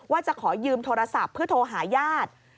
ว่าจะขอยืมโทรศัพท์เพื่อโทรหาญาติ